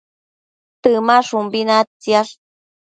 Temashumbi naidtsiash